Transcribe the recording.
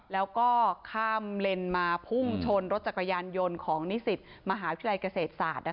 แล้วก็ข้ามเลนมาพุ่งชนรถจักรยานยนต์ของนิสิตมหาวิทยาลัยเกษตรศาสตร์